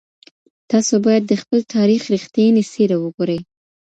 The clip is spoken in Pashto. تاسو بايد د خپل تاريخ رښتينې څېره وګورئ.